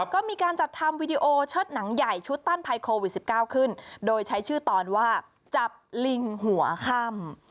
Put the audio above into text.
ก็มีการจัดทำวีดีโอเชิดหนังใหญ่ชุดต้านภัยโควิด๑๙ขึ้นโดยใช้ชื่อตอนว่าจับลิงหัวค่ำ